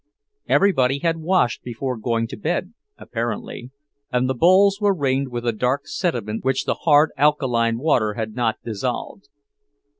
Everybody had washed before going to bed, apparently, and the bowls were ringed with a dark sediment which the hard, alkaline water had not dissolved.